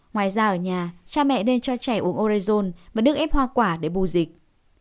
ngoài ra ở nhà cha mẹ nên cho trẻ uống orezon và được ép hoa quả để bù dịch